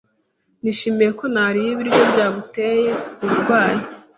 Nishimiye ko ntariye ibiryo byaguteye uburwayi.